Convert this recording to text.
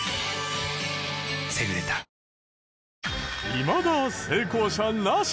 いまだ成功者なし。